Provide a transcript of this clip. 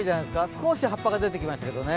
少し葉っぱが出てきましたけどね。